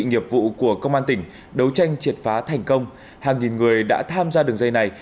nghiệp vụ của công an tỉnh đấu tranh triệt phá thành công hàng nghìn người đã tham gia đường dây này